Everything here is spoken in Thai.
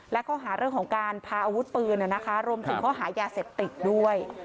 และข้อหาเรื่องของการพาอาวุธปืนรวมถึงข้อหายาเสพติดด้วย